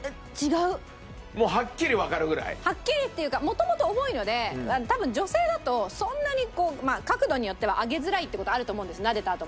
はっきりっていうかもともと重いので多分女性だとそんなにこう角度によっては上げづらいって事あると思うんですなでたあとも。